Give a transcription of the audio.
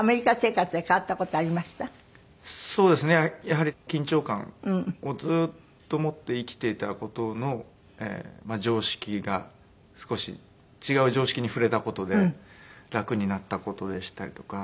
やはり緊張感をずっと持って生きていた事の常識が少し違う常識に触れた事で楽になった事でしたりとか。